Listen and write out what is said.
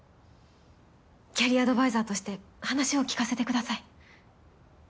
キャリアアドバイザーとして話を聞かせてください。